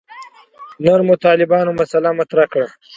نرمو طالبانو مسأله مطرح کړه.